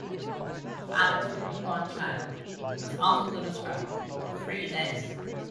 The father of a newborn child goes out into the scrub for three days.